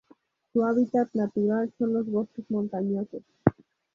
Su hábitat natural son los bosques montañosos.